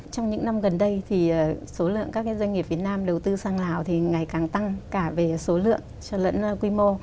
trong những năm gần đây số lượng các doanh nghiệp việt nam đầu tư sang lào ngày càng tăng cả về số lượng cho lẫn quy mô